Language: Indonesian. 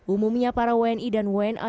umumnya para wni dan wna